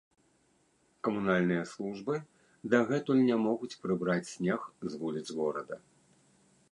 Камунальныя службы дагэтуль не могуць прыбраць снег з вуліц горада.